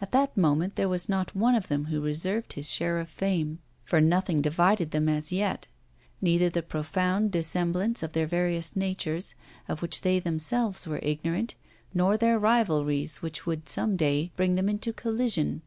At that moment there was not one of them who reserved his share of fame, for nothing divided them as yet; neither the profound dissemblance of their various natures, of which they themselves were ignorant, nor their rivalries, which would some day bring them into collision.